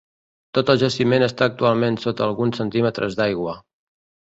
Tot el jaciment està actualment sota alguns centímetres d'aigua.